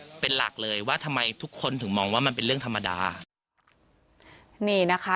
เป็นหลักเลยว่าทำไมทุกคนถึงมองว่ามันเป็นเรื่องธรรมดานี่นะคะ